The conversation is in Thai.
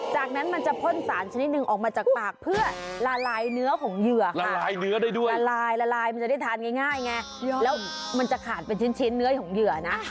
จากนั้นมันจะพ่นสารชนิดนึงออกมาจากปากเพื่อละลายเนื้อของเหยื่อค่ะ